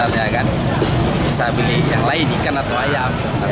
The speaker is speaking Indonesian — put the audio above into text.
bisa beli yang lain ikan atau ayam